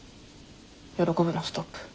喜ぶのストップ。